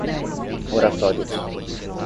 Oratórios